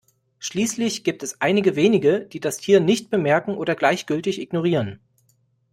Schließlich gibt es einige wenige, die das Tier nicht bemerken oder gleichgültig ignorieren.